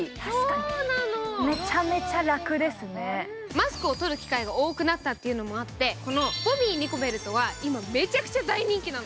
マスクを取る機会が多くなったというのもあってこのボミーニコベルトは今、めちゃくちゃ大人気なの。